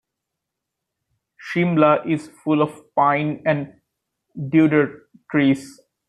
Shimla is full of pine and deodar trees.